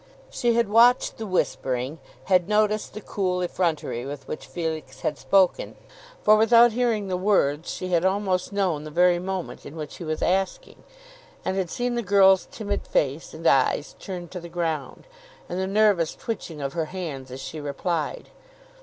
She had watched the whispering, had noticed the cool effrontery with which Felix had spoken, for without hearing the words she had almost known the very moment in which he was asking, and had seen the girl's timid face, and eyes turned to the ground, and the nervous twitching of her hands as she replied.